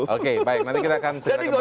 oke baik nanti kita akan segera kembali